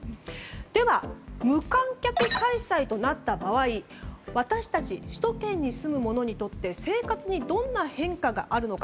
では、無観客開催となった場合私たち、首都圏に住む者にとって生活にどんな変化があるのか。